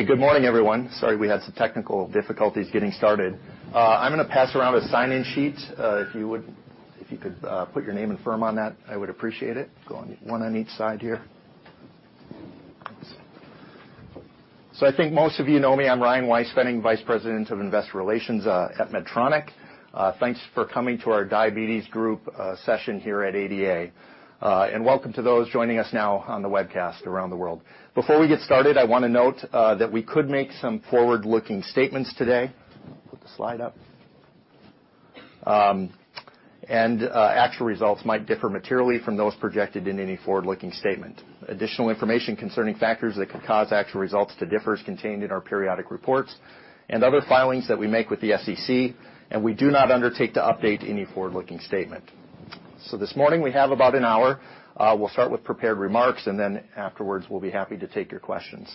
Good morning, everyone. Sorry, we had some technical difficulties getting started. I'm going to pass around a sign-in sheet. If you could put your name and firm on that, I would appreciate it. Going one on each side here. I think most of you know me. I'm Ryan Weispfenning, Managing Vice President of Investor Relations at Medtronic. Thanks for coming to our Diabetes Group session here at ADA. Welcome to those joining us now on the webcast around the world. Before we get started, I want to note that we could make some forward-looking statements today. Put the slide up. Actual results might differ materially from those projected in any forward-looking statement. Additional information concerning factors that could cause actual results to differ is contained in our periodic reports and other filings that we make with the SEC. We do not undertake to update any forward-looking statement. This morning, we have about an hour. We'll start with prepared remarks, and then afterwards, we'll be happy to take your questions.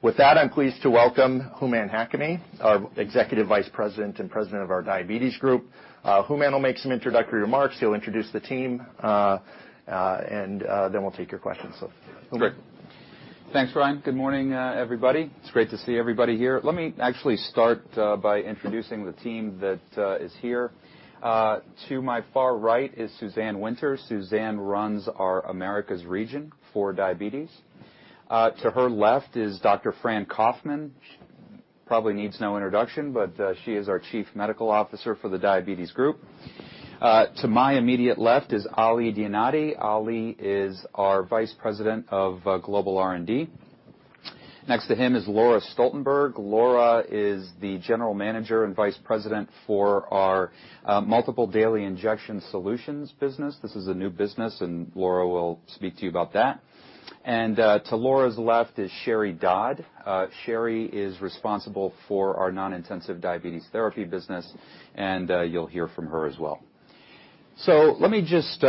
With that, I'm pleased to welcome Hooman Hakami, our Executive Vice President and President of our Diabetes Group. Hooman will make some introductory remarks. He'll introduce the team, and then we'll take your questions. Hooman. Great. Thanks, Ryan. Good morning, everybody. It's great to see everybody here. Let me actually start by introducing the team that is here. To my far right is Suzanne Winter. Suzanne runs our Americas region for Diabetes. To her left is Dr. Fran Kaufman. She probably needs no introduction, but she is our Chief Medical Officer for the Diabetes Group. To my immediate left is Ali Dianaty. Ali is our Vice President of Global R&D. Next to him is Laura Stoltenberg. Laura is the General Manager and Vice President for our Multiple Daily Injection Solutions business. This is a new business, and Laura will speak to you about that. To Laura's left is Sheri Dodd. Sheri is responsible for our Non-Intensive Diabetes Therapies business, and you'll hear from her as well. Let me just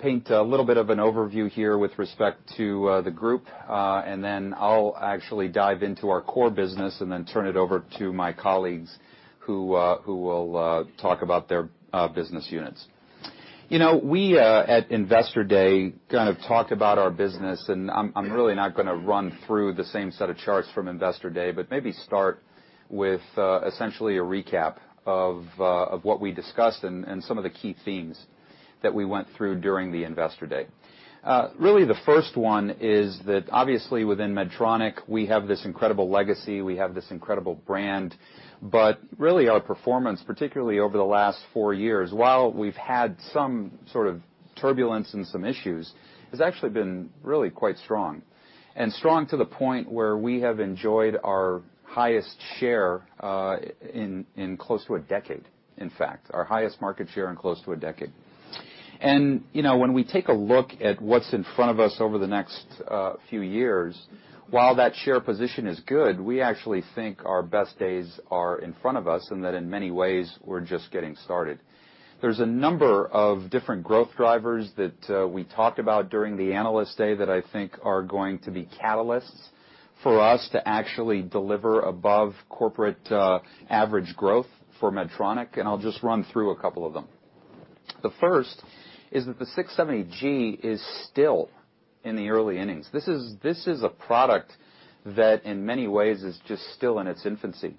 paint a little bit of an overview here with respect to the group, and then I'll actually dive into our core business and then turn it over to my colleagues who will talk about their business units. We at Investor Day kind of talked about our business. I'm really not going to run through the same set of charts from Investor Day. Maybe start with essentially a recap of what we discussed and some of the key themes that we went through during the Investor Day. The first one is that obviously within Medtronic, we have this incredible legacy, we have this incredible brand. Our performance, particularly over the last four years, while we've had some sort of turbulence and some issues, has actually been really quite strong. Strong to the point where we have enjoyed our highest share in close to a decade, in fact. Our highest market share in close to a decade. When we take a look at what's in front of us over the next few years, while that share position is good, we actually think our best days are in front of us and that in many ways, we're just getting started. There's a number of different growth drivers that we talked about during the Analyst Day that I think are going to be catalysts for us to actually deliver above corporate average growth for Medtronic, and I'll just run through a couple of them. The first is that the 670G is still in the early innings. This is a product that in many ways is just still in its infancy.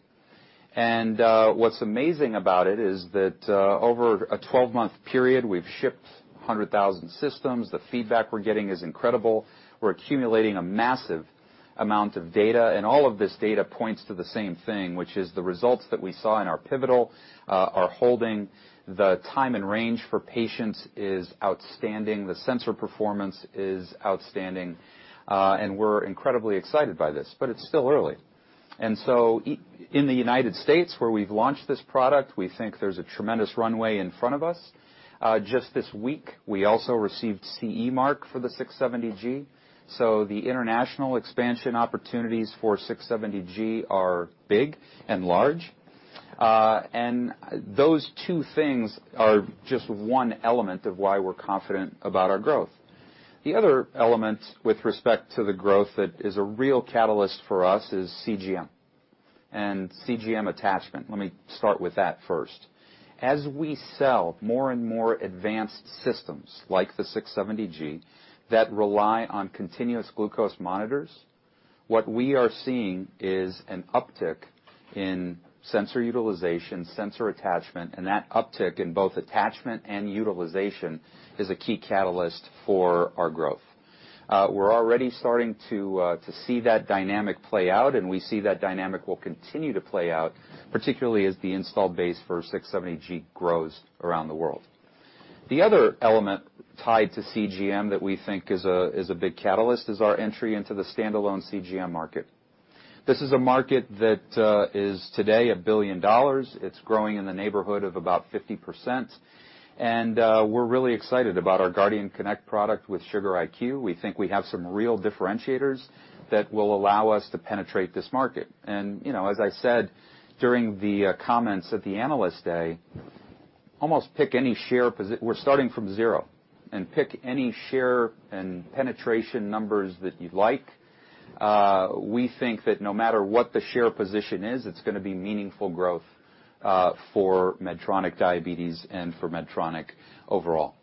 What's amazing about it is that over a 12-month period, we've shipped 100,000 systems. The feedback we're getting is incredible. We're accumulating a massive amount of data, all of this data points to the same thing, which is the results that we saw in our pivotal are holding. The time and range for patients is outstanding. The sensor performance is outstanding. We're incredibly excited by this, but it's still early. In the U.S. where we've launched this product, we think there's a tremendous runway in front of us. Just this week, we also received CE marking for the 670G, so the international expansion opportunities for 670G are big and large. Those two things are just one element of why we're confident about our growth. The other element with respect to the growth that is a real catalyst for us is CGM and CGM attachment. Let me start with that first. As we sell more and more advanced systems like the 670G that rely on continuous glucose monitors, what we are seeing is an uptick in sensor utilization, sensor attachment, that uptick in both attachment and utilization is a key catalyst for our growth. We're already starting to see that dynamic play out, we see that dynamic will continue to play out, particularly as the install base for 670G grows around the world. The other element tied to CGM that we think is a big catalyst is our entry into the standalone CGM market. This is a market that is today $1 billion. It's growing in the neighborhood of about 50%, we're really excited about our Guardian Connect product with Sugar.IQ. We think we have some real differentiators that will allow us to penetrate this market. As I said during the comments at the Analyst Day, we're starting from zero. Pick any share and penetration numbers that you'd like, we think that no matter what the share position is, it's going to be meaningful growth for Medtronic Diabetes and for Medtronic overall.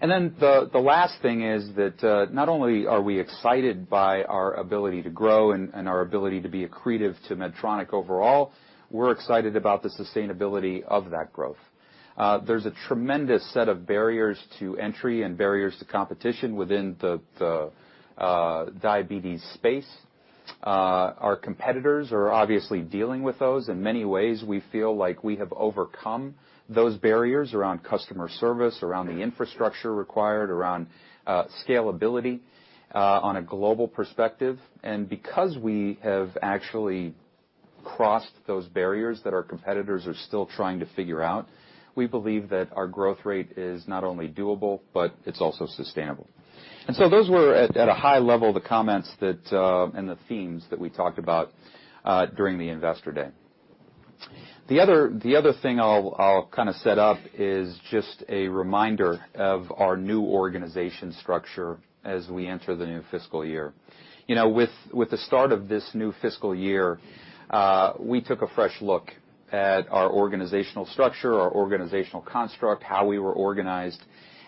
The last thing is that not only are we excited by our ability to grow and our ability to be accretive to Medtronic overall, we're excited about the sustainability of that growth. There's a tremendous set of barriers to entry and barriers to competition within the diabetes space. Our competitors are obviously dealing with those. In many ways, we feel like we have overcome those barriers around customer service, around the infrastructure required, around scalability on a global perspective. Because we have actually crossed those barriers that our competitors are still trying to figure out, we believe that our growth rate is not only doable, but it's also sustainable. Those were at a high level, the comments and the themes that we talked about during the Investor Day. The other thing I'll set up is just a reminder of our new organization structure as we enter the new fiscal year. With the start of this new fiscal year, we took a fresh look at our organizational structure, our organizational construct, how we were organized,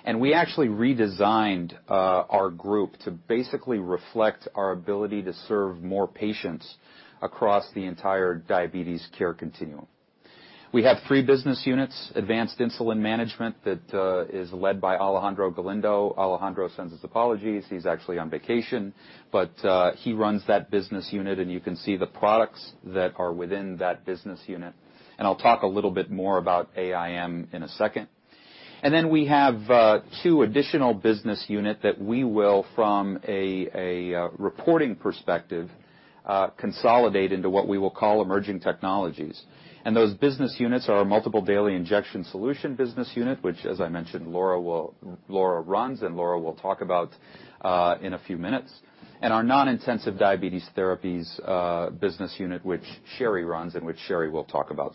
and we actually redesigned our group to basically reflect our ability to serve more patients across the entire diabetes care continuum. We have three business units, Advanced Insulin Management, that is led by Alejandro Galindo. Alejandro sends his apologies. He's actually on vacation. He runs that business unit, and you can see the products that are within that business unit. I'll talk a little bit more about AIM in a second. We have two additional business unit that we will, from a reporting perspective, consolidate into what we will call Emerging Technologies. Those business units are our Multiple Daily Injection Solution business unit, which as I mentioned, Laura runs and Laura will talk about in a few minutes. Our Non-Intensive Diabetes Therapies business unit, which Sheri runs and which Sheri will talk about.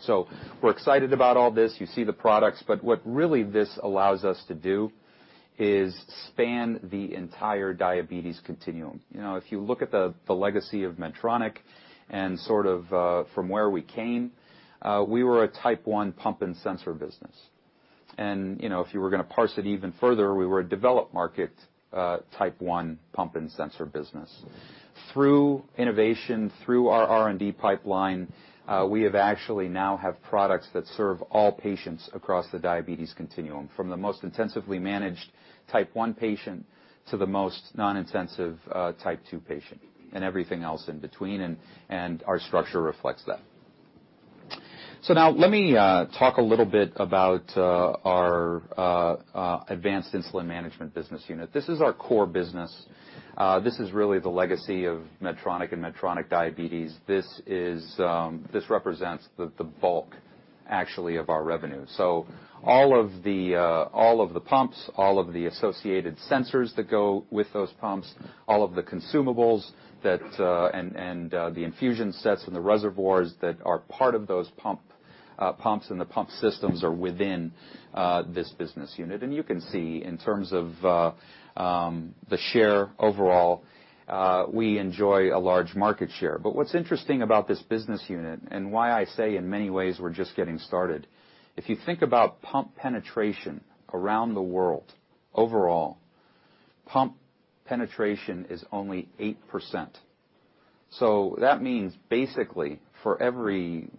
We're excited about all this. You see the products, but what really this allows us to do is span the entire diabetes continuum. If you look at the legacy of Medtronic and from where we came, we were a Type 1 pump and sensor business. If you were going to parse it even further, we were a developed market, Type 1 pump and sensor business. Through innovation, through our R&D pipeline, we have actually now have products that serve all patients across the diabetes continuum, from the most intensively managed Type 1 patient to the most non-intensive Type 2 patient and everything else in between, and our structure reflects that. Now let me talk a little bit about our Advanced Insulin Management business unit. This is our core business. This is really the legacy of Medtronic and Medtronic diabetes. This represents the bulk, actually, of our revenue. All of the pumps, all of the associated sensors that go with those pumps, all of the consumables and the infusion sets and the reservoirs that are part of those pumps and the pump systems are within this business unit. You can see in terms of the share overall, we enjoy a large market share. What's interesting about this business unit and why I say in many ways we're just getting started, if you think about pump penetration around the world, overall, pump penetration is only 8%. That means basically for every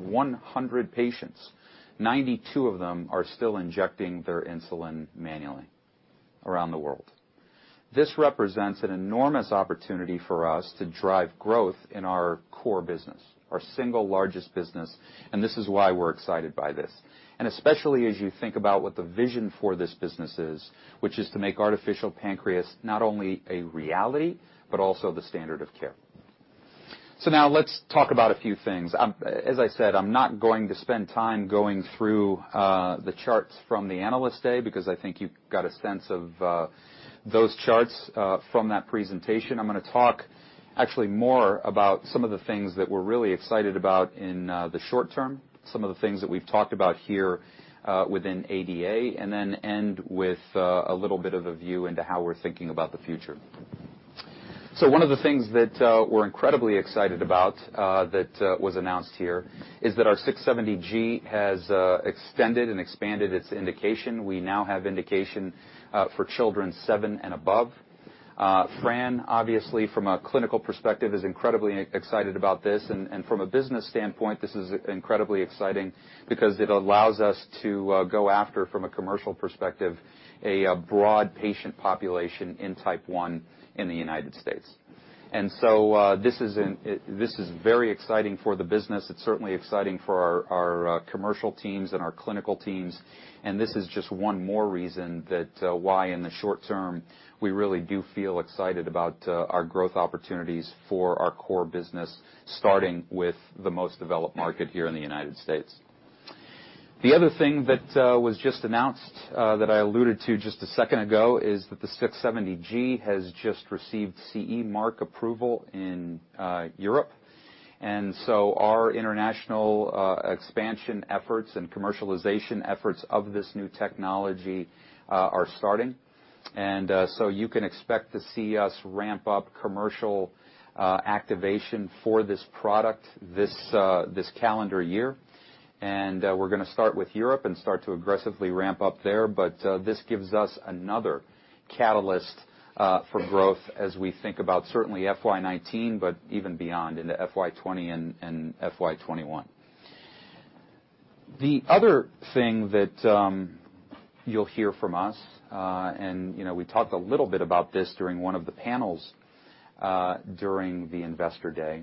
100 patients, 92 of them are still injecting their insulin manually around the world. This represents an enormous opportunity for us to drive growth in our core business, our single largest business, and this is why we're excited by this. Especially as you think about what the vision for this business is, which is to make artificial pancreas not only a reality but also the standard of care. Let's talk about a few things. As I said, I'm not going to spend time going through the charts from the Analyst Day because I think you got a sense of those charts from that presentation. I'm going to talk actually more about some of the things that we're really excited about in the short term, some of the things that we've talked about here within ADA, then end with a little bit of a view into how we're thinking about the future. One of the things that we're incredibly excited about that was announced here is that our 670G has extended and expanded its indication. We now have indication for children seven and above. Fran, obviously from a clinical perspective, is incredibly excited about this. From a business standpoint, this is incredibly exciting because it allows us to go after, from a commercial perspective, a broad patient population in Type 1 in the U.S. This is very exciting for the business. It's certainly exciting for our commercial teams and our clinical teams. This is just one more reason that why in the short term, we really do feel excited about our growth opportunities for our core business, starting with the most developed market here in the U.S. The other thing that was just announced that I alluded to just a second ago is that the 670G has just received CE mark approval in Europe. Our international expansion efforts and commercialization efforts of this new technology are starting. You can expect to see us ramp up commercial activation for this product this calendar year. We're going to start with Europe and start to aggressively ramp up there. This gives us another catalyst for growth as we think about certainly FY 2019, but even beyond into FY 2020 and FY 2021. The other thing that you'll hear from us, we talked a little bit about this during one of the panels during the Investor Day,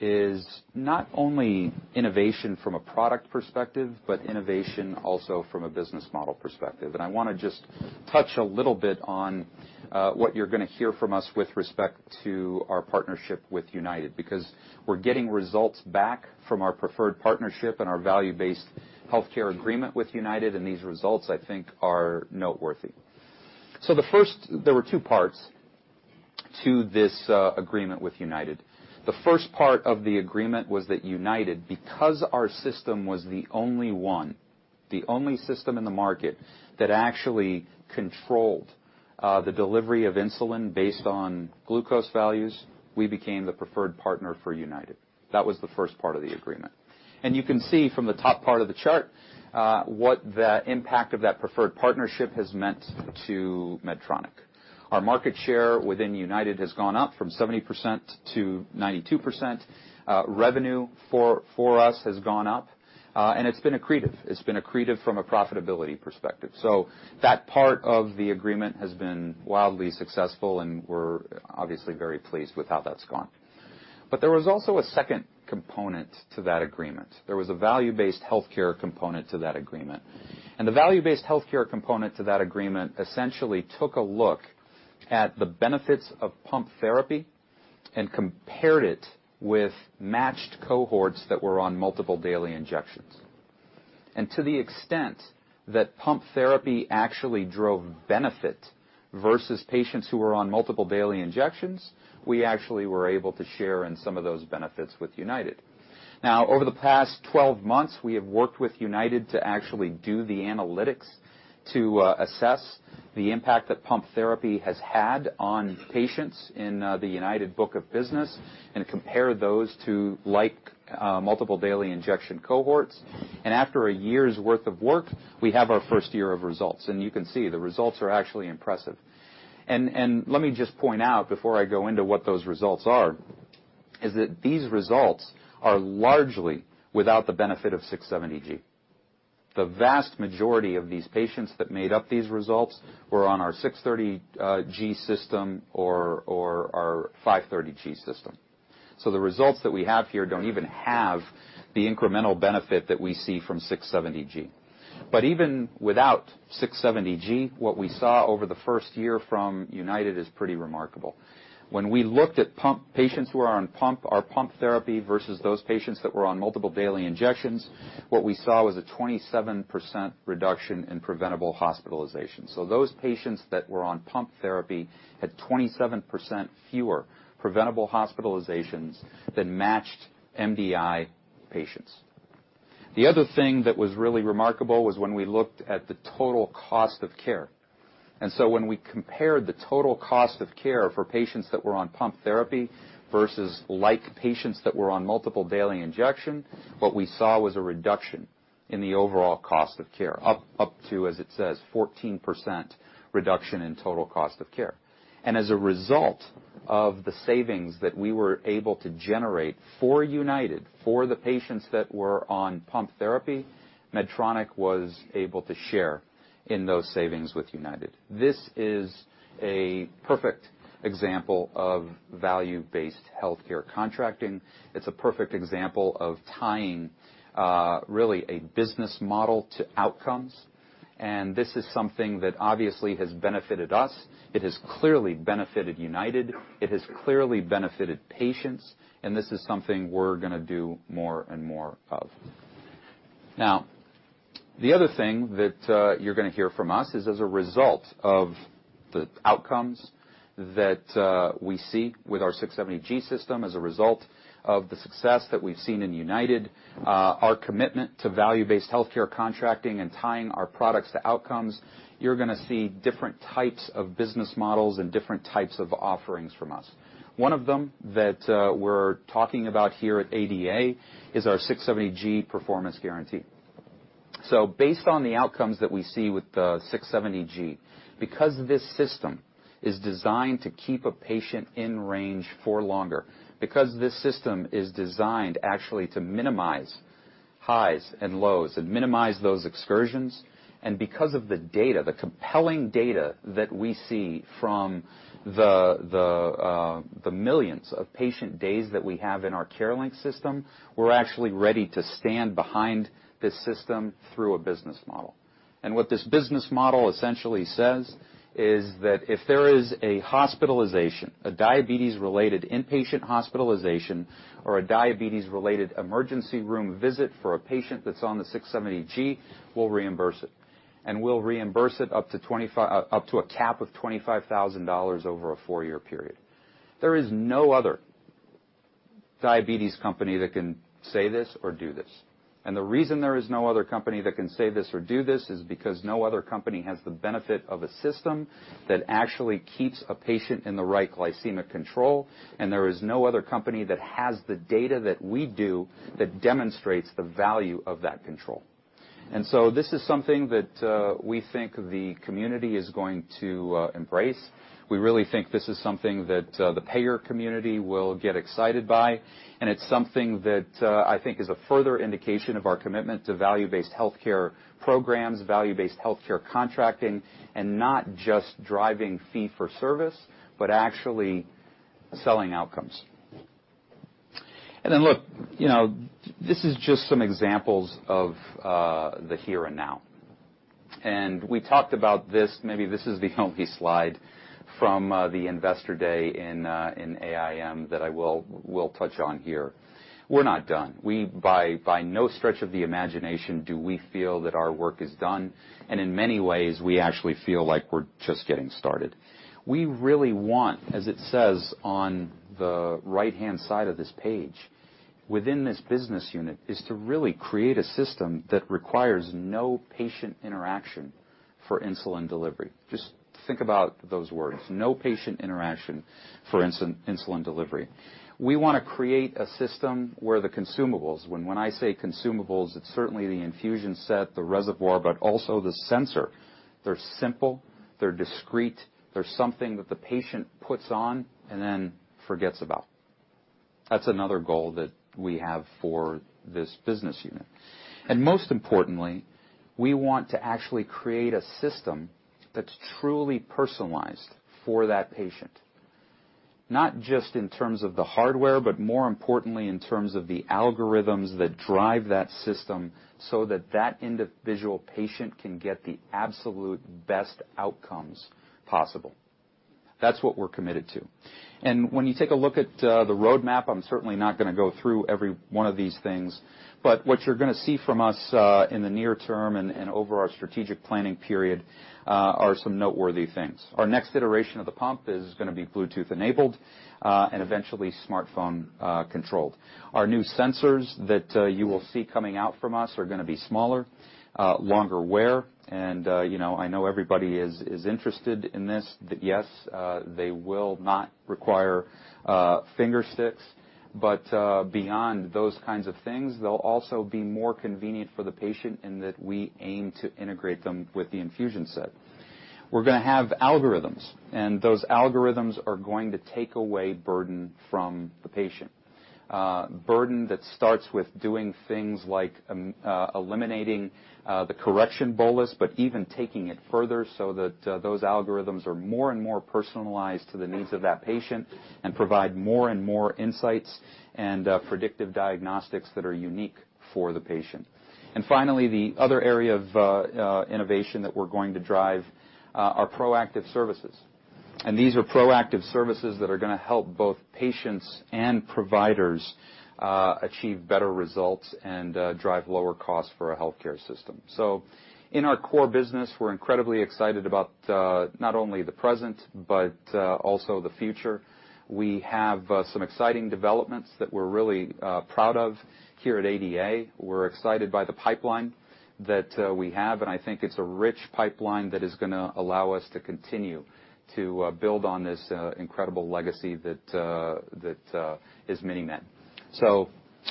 is not only innovation from a product perspective, but innovation also from a business model perspective. I want to just touch a little bit on what you're going to hear from us with respect to our partnership with United. We're getting results back from our preferred partnership and our value-based healthcare agreement with United, and these results, I think, are noteworthy. There were two parts to this agreement with United. The first part of the agreement was that United, because our system was the only one, the only system in the market that actually controlled the delivery of insulin based on glucose values, we became the preferred partner for United. That was the first part of the agreement. You can see from the top part of the chart what the impact of that preferred partnership has meant to Medtronic. Our market share within United has gone up from 70% to 92%. Revenue for us has gone up, and it's been accretive. It's been accretive from a profitability perspective. That part of the agreement has been wildly successful, and we're obviously very pleased with how that's gone. There was also a second component to that agreement. There was a value-based healthcare component to that agreement. The value-based healthcare component to that agreement essentially took a look at the benefits of pump therapy and compared it with matched cohorts that were on multiple daily injections. To the extent that pump therapy actually drove benefit versus patients who were on multiple daily injections, we actually were able to share in some of those benefits with United. Over the past 12 months, we have worked with United to actually do the analytics to assess the impact that pump therapy has had on patients in the United book of business and compare those to like multiple daily injection cohorts. After a year's worth of work, we have our first year of results, and you can see the results are actually impressive. Let me just point out before I go into what those results are, is that these results are largely without the benefit of 670G. The vast majority of these patients that made up these results were on our 630G system or our 530G system. The results that we have here don't even have the incremental benefit that we see from 670G. Even without 670G, what we saw over the first year from United is pretty remarkable. When we looked at patients who are on our pump therapy versus those patients that were on multiple daily injections, what we saw was a 27% reduction in preventable hospitalizations. Those patients that were on pump therapy had 27% fewer preventable hospitalizations than matched MDI patients. The other thing that was really remarkable was when we looked at the total cost of care. When we compared the total cost of care for patients that were on pump therapy versus like patients that were on multiple daily injection, what we saw was a reduction in the overall cost of care, up to, as it says, 14% reduction in total cost of care. As a result of the savings that we were able to generate for United for the patients that were on pump therapy, Medtronic was able to share in those savings with United. This is a perfect example of value-based healthcare contracting. It's a perfect example of tying really a business model to outcomes. This is something that obviously has benefited us. It has clearly benefited United. It has clearly benefited patients, and this is something we're going to do more and more of. The other thing that you're going to hear from us is as a result of the outcomes that we see with our 670G system, as a result of the success that we've seen in United, our commitment to value-based healthcare contracting and tying our products to outcomes, you're going to see different types of business models and different types of offerings from us. One of them that we're talking about here at ADA is our 670G performance guarantee. Based on the outcomes that we see with the 670G, because this system is designed to keep a patient in range for longer, because this system is designed actually to minimize highs and lows and minimize those excursions, and because of the data, the compelling data that we see from the millions of patient days that we have in our CareLink system, we're actually ready to stand behind this system through a business model. What this business model essentially says is that if there is a hospitalization, a diabetes-related inpatient hospitalization, or a diabetes-related emergency room visit for a patient that's on the 670G, we'll reimburse it. We'll reimburse it up to a cap of $25,000 over a four-year period. There is no other diabetes company that can say this or do this. The reason there is no other company that can say this or do this is because no other company has the benefit of a system that actually keeps a patient in the right glycemic control. There is no other company that has the data that we do that demonstrates the value of that control. This is something that we think the community is going to embrace. We really think this is something that the payer community will get excited by. It's something that I think is a further indication of our commitment to value-based healthcare programs, value-based healthcare contracting, and not just driving fee-for-service, but actually selling outcomes. Look, this is just some examples of the here and now. We talked about this, maybe this is the only slide from the Investor Day in AIM that I will touch on here. We're not done. By no stretch of the imagination do we feel that our work is done. In many ways, we actually feel like we're just getting started. We really want, as it says on the right-hand side of this page, within this business unit is to really create a system that requires no patient interaction for insulin delivery. Just think about those words. No patient interaction for insulin delivery. We want to create a system where the consumables, when I say consumables, it's certainly the infusion set, the reservoir, but also the sensor. They're simple, they're discreet. They're something that the patient puts on and then forgets about. That's another goal that we have for this business unit. Most importantly, we want to actually create a system that's truly personalized for that patient. Not just in terms of the hardware, but more importantly in terms of the algorithms that drive that system so that that individual patient can get the absolute best outcomes possible. That's what we're committed to. When you take a look at the roadmap, I'm certainly not going to go through every one of these things, but what you're going to see from us in the near term and over our strategic planning period are some noteworthy things. Our next iteration of the pump is going to be Bluetooth-enabled, and eventually smartphone-controlled. Our new sensors that you will see coming out from us are going to be smaller, longer-wear. I know everybody is interested in this, that yes, they will not require fingersticks. Beyond those kinds of things, they'll also be more convenient for the patient in that we aim to integrate them with the infusion set. We're going to have algorithms. Those algorithms are going to take away burden from the patient. Burden that starts with doing things like eliminating the correction bolus, but even taking it further so that those algorithms are more and more personalized to the needs of that patient and provide more and more insights and predictive diagnostics that are unique for the patient. Finally, the other area of innovation that we're going to drive are proactive services. These are proactive services that are going to help both patients and providers achieve better results and drive lower costs for our healthcare system. In our core business, we're incredibly excited about not only the present, but also the future. We have some exciting developments that we're really proud of here at ADA. We're excited by the pipeline that we have, and I think it's a rich pipeline that is going to allow us to continue to build on this incredible legacy that is MiniMed.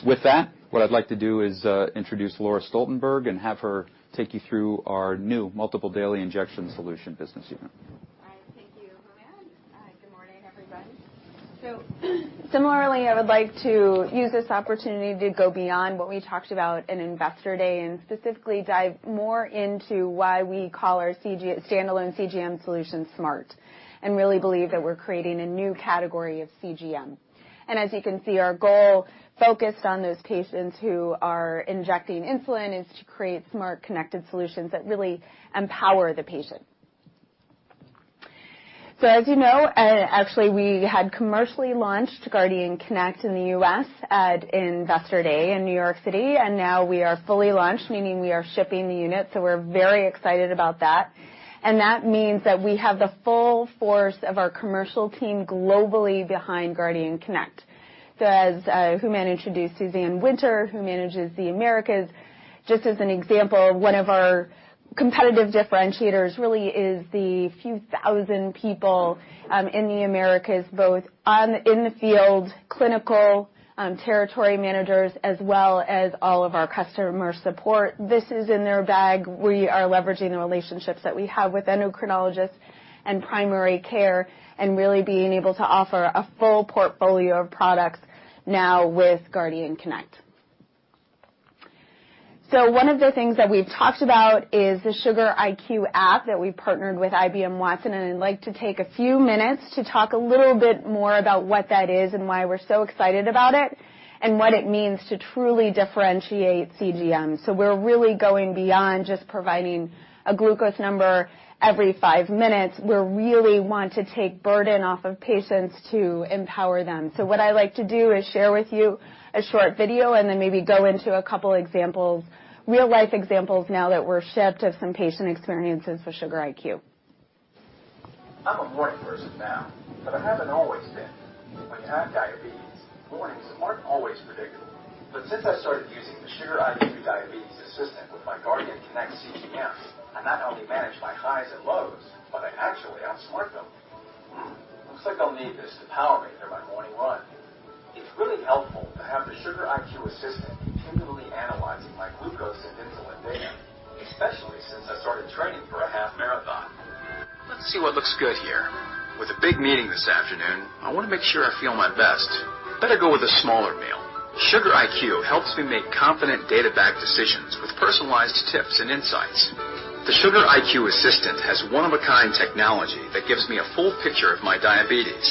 With that, what I'd like to do is introduce Laura Stoltenberg and have her take you through our new Multiple Daily Injection Solution business unit. All right. Thank you, Hooman. Good morning, everybody. Similarly, I would like to use this opportunity to go beyond what we talked about in Investor Day and specifically dive more into why we call our standalone CGM solution smart and really believe that we're creating a new category of CGM. As you can see, our goal focused on those patients who are injecting insulin is to create smart, connected solutions that really empower the patient. As you know, actually we had commercially launched Guardian Connect in the U.S. at Investor Day in New York City. Now we are fully launched, meaning we are shipping the unit. We're very excited about that. That means that we have the full force of our commercial team globally behind Guardian Connect. As Hooman introduced Suzanne Winter, who manages the Americas, just as an example, one of our competitive differentiators really is the few thousand people in the Americas, both in the field, clinical, territory managers, as well as all of our customer support. This is in their bag. We are leveraging the relationships that we have with endocrinologists and primary care and really being able to offer a full portfolio of products now with Guardian Connect. One of the things that we've talked about is the Sugar.IQ app that we partnered with IBM Watson. I'd like to take a few minutes to talk a little bit more about what that is and why we're so excited about it and what it means to truly differentiate CGM. We're really going beyond just providing a glucose number every five minutes. We really want to take burden off of patients to empower them. What I'd like to do is share with you a short video and then maybe go into a couple examples, real life examples now that we're shipped of some patient experiences with Sugar.IQ. I'm a morning person now, but I haven't always been. When you have diabetes, mornings aren't always predictable. Since I started using the Sugar.IQ diabetes assistant with my Guardian Connect CGM, I not only manage my highs and lows, but I actually outsmart them. Hmm, looks like I'll need this to power me through my morning run. It's really helpful to have the Sugar.IQ Assistant continually analyzing my glucose and insulin data, especially since I started training for a half marathon. Let's see what looks good here. With a big meeting this afternoon, I want to make sure I feel my best. Better go with a smaller meal. Sugar.IQ helps me make confident, data-backed decisions with personalized tips and insights. The Sugar.IQ Assistant has one-of-a-kind technology that gives me a full picture of my diabetes.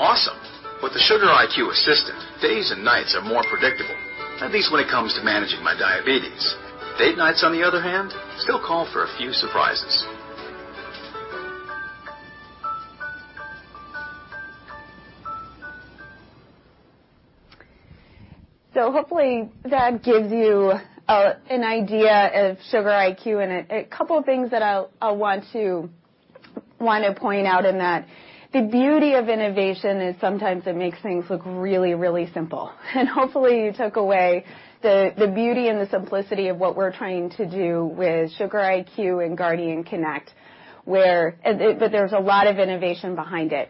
Awesome. With the Sugar.IQ Assistant, days and nights are more predictable, at least when it comes to managing my diabetes. Date nights, on the other hand, still call for a few surprises. Hopefully, that gives you an idea of Sugar.IQ. A couple of things that I want to point out in that. The beauty of innovation is sometimes it makes things look really, really simple. Hopefully, you took away the beauty and the simplicity of what we're trying to do with Sugar.IQ and Guardian Connect. There's a lot of innovation behind it.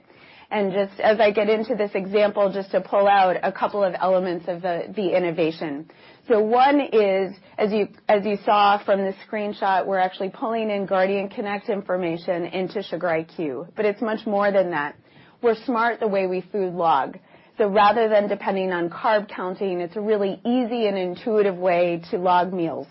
Just as I get into this example, just to pull out a couple of elements of the innovation. One is, as you saw from the screenshot, we're actually pulling in Guardian Connect information into Sugar.IQ, but it's much more than that. We're smart the way we food log. Rather than depending on carb counting, it's a really easy and intuitive way to log meals.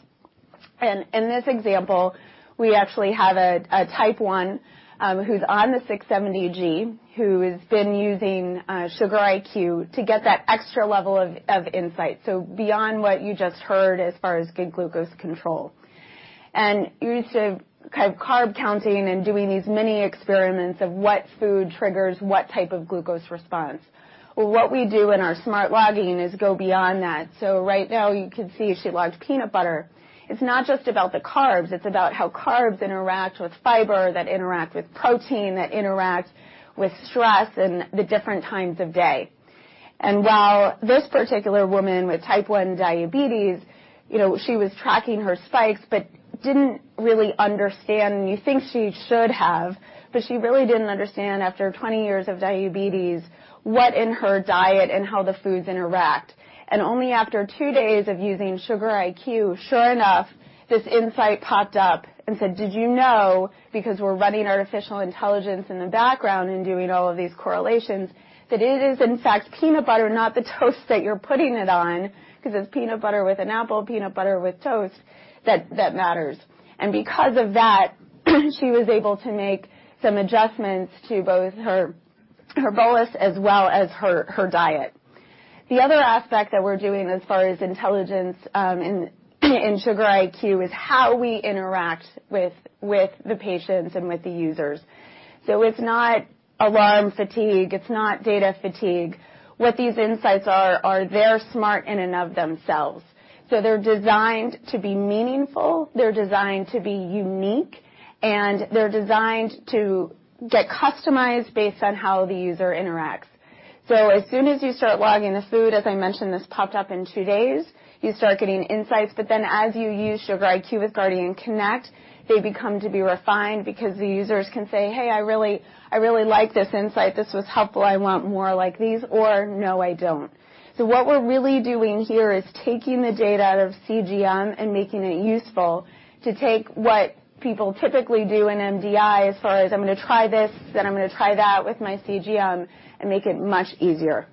In this example, we actually have a type 1 who's on the MiniMed 670G, who has been using Sugar.IQ to get that extra level of insight. Beyond what you just heard as far as good glucose control. Used to kind of carb counting and doing these mini experiments of what food triggers what type of glucose response. What we do in our smart logging is go beyond that. Right now, you can see she logged peanut butter. It's not just about the carbs, it's about how carbs interact with fiber, that interact with protein, that interact with stress and the different times of day. While this particular woman with type 1 diabetes, she was tracking her spikes but didn't really understand, and you think she should have, but she really didn't understand, after 20 years of diabetes, what in her diet and how the foods interact. Only after 2 days of using Sugar.IQ, sure enough, this insight popped up and said, "Did you know," because we're running artificial intelligence in the background and doing all of these correlations, "that it is in fact peanut butter, not the toast that you're putting it on," because it's peanut butter with an apple, peanut butter with toast, that matters. Because of that, she was able to make some adjustments to both her bolus as well as her diet. The other aspect that we're doing as far as intelligence in Sugar.IQ is how we interact with the patients and with the users. It's not alarm fatigue, it's not data fatigue. What these insights are they're smart in and of themselves. They're designed to be meaningful, they're designed to be unique, and they're designed to get customized based on how the user interacts. As soon as you start logging the food, as I mentioned, this popped up in 2 days, you start getting insights, but then as you use Sugar.IQ with Guardian Connect, they become to be refined because the users can say, "Hey, I really like this insight. This was helpful. I want more like these," or, "No, I don't." What we're really doing here is taking the data out of CGM and making it useful to take what people typically do in MDI as far as I'm going to try this, then I'm going to try that with my CGM, and make it much easier.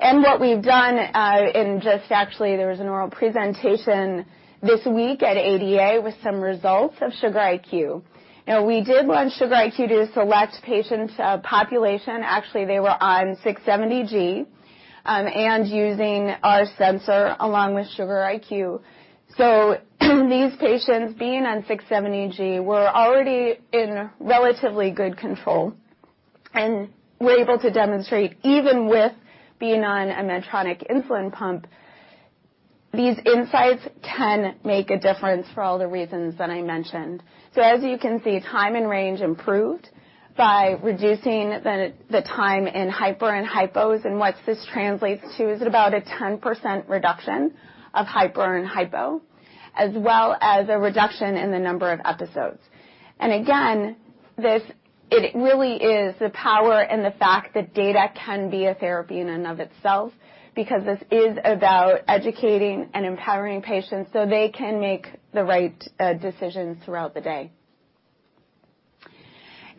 What we've done in just actually there was an oral presentation this week at ADA with some results of Sugar.IQ. We did launch Sugar.IQ to a select patient population. Actually, they were on MiniMed 670G, and using our sensor along with Sugar.IQ. These patients being on MiniMed 670G were already in relatively good control, and we're able to demonstrate, even with being on a Medtronic insulin pump, these insights can make a difference for all the reasons that I mentioned. As you can see, time in range improved by reducing the time in hyper and hypos. What this translates to is about a 10% reduction of hyper and hypo, as well as a reduction in the number of episodes. It really is the power and the fact that data can be a therapy in and of itself because this is about educating and empowering patients so they can make the right decisions throughout the day.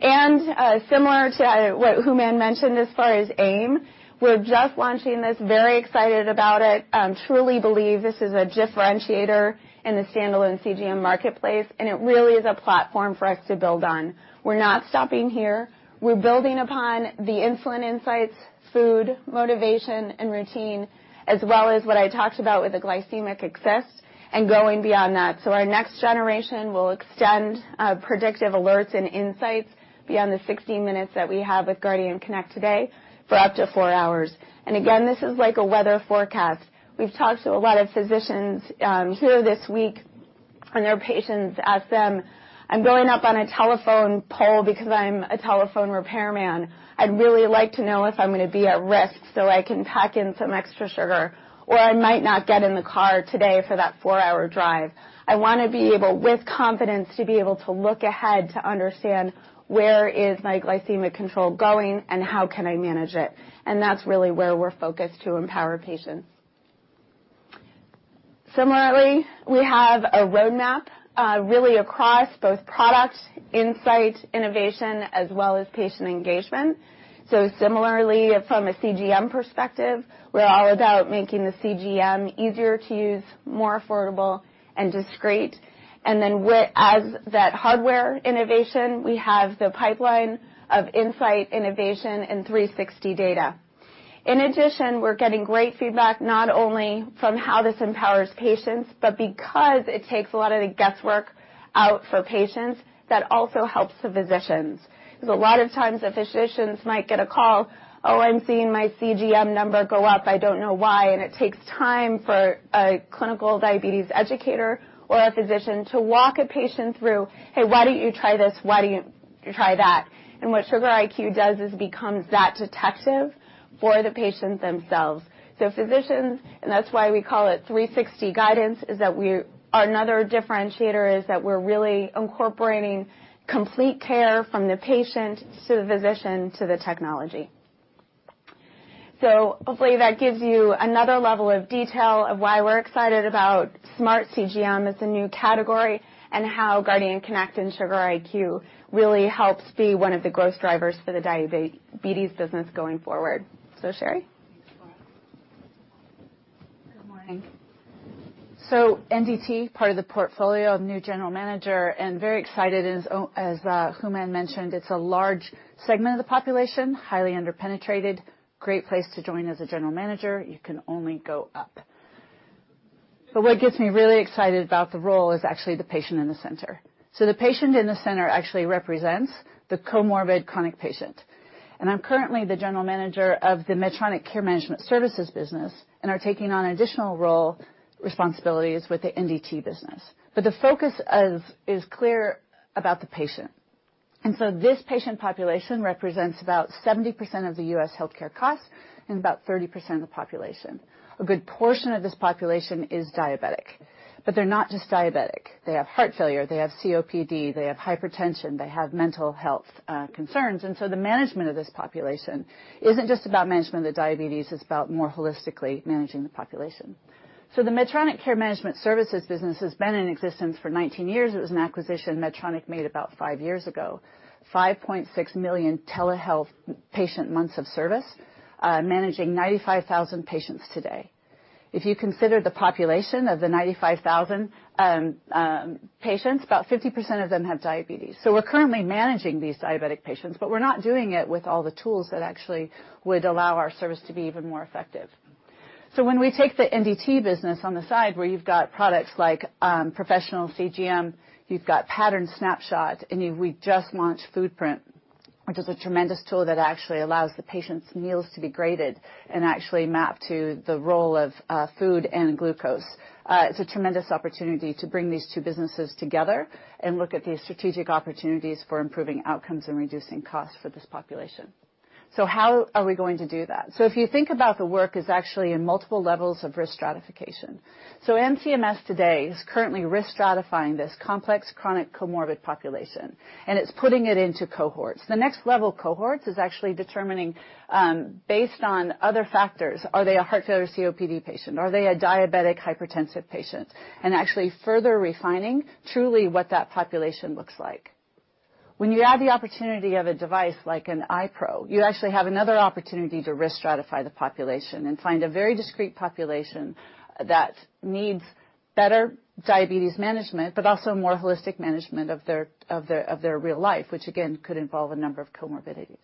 Similar to what Hooman mentioned as far as AIM, we're just launching this, very excited about it. Truly believe this is a differentiator in the standalone CGM marketplace, it really is a platform for us to build on. We're not stopping here. We're building upon the insulin insights, food, motivation, and routine, as well as what I talked about with the glycemic [access] and going beyond that. Our next generation will extend predictive alerts and insights beyond the 60 minutes that we have with Guardian Connect today for up to 4 hours. Again, this is like a weather forecast. We've talked to a lot of physicians here this week. Their patients ask them, "I'm going up on a telephone pole because I'm a telephone repairman. I'd really like to know if I'm going to be at risk, so I can pack in some extra sugar, or I might not get in the car today for that 4-hour drive. I want to be able, with confidence, to be able to look ahead to understand where is my glycemic control going, and how can I manage it?" That's really where we're focused to empower patients. Similarly, we have a roadmap really across both product, insight, innovation, as well as patient engagement. Similarly, from a CGM perspective, we're all about making the CGM easier to use, more affordable, and discreet. Then as that hardware innovation, we have the pipeline of insight, innovation, and 360 data. In addition, we're getting great feedback not only from how this empowers patients, but because it takes a lot of the guesswork out for patients, that also helps the physicians. Because a lot of times, the physicians might get a call, "Oh, I'm seeing my CGM number go up. I don't know why." It takes time for a clinical diabetes educator or a physician to walk a patient through, "Hey, why don't you try this? Why don't you try that?" What Sugar.IQ does is becomes that detective for the patients themselves. Physicians, and that's why we call it 360 guidance is that Another differentiator is that we're really incorporating complete care from the patient to the physician to the technology. Hopefully, that gives you another level of detail of why we're excited about smart CGM as a new category, and how Guardian Connect and Sugar.IQ really helps be one of the growth drivers for the diabetes business going forward. Sheri? Thanks, Laura. NDT, part of the portfolio, new general manager, very excited. As Hooman mentioned, it's a large segment of the population, highly under-penetrated. Great place to join as a general manager. You can only go up. What gets me really excited about the role is actually the patient in the center. The patient in the center actually represents the comorbid chronic patient. I'm currently the general manager of the Medtronic Care Management Services business and am taking on additional role responsibilities with the NDT business. The focus is clear about the patient. This patient population represents about 70% of the U.S. healthcare costs and about 30% of the population. A good portion of this population is diabetic, but they're not just diabetic. They have heart failure, they have COPD, they have hypertension, they have mental health concerns. The management of this population isn't just about management of diabetes, it's about more holistically managing the population. The Medtronic Care Management Services business has been in existence for 19 years. It was an acquisition Medtronic made about five years ago. 5.6 million telehealth patient months of service, managing 95,000 patients today. If you consider the population of the 95,000 patients, about 50% of them have diabetes. We're currently managing these diabetic patients, but we're not doing it with all the tools that actually would allow our service to be even more effective. When we take the NDT business on the side where you've got products like professional CGM, you've got Pattern Snapshot, and we just launched FoodPrint, which is a tremendous tool that actually allows the patient's meals to be graded and actually mapped to the role of food and glucose. It's a tremendous opportunity to bring these two businesses together and look at the strategic opportunities for improving outcomes and reducing costs for this population. How are we going to do that? If you think about the work is actually in multiple levels of risk stratification. MCMS today is currently risk stratifying this complex chronic comorbid population, and it's putting it into cohorts. The next level cohorts is actually determining, based on other factors, are they a heart failure COPD patient? Are they a diabetic hypertensive patient? Actually further refining truly what that population looks like. When you add the opportunity of a device like an iPro, you actually have another opportunity to risk stratify the population and find a very discreet population that needs better diabetes management, but also more holistic management of their real life, which again, could involve a number of comorbidities.